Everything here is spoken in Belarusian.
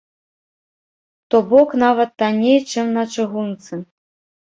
То бок нават танней, чым на чыгунцы.